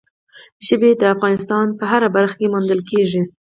ژبې د افغانستان په هره برخه کې موندل کېږي.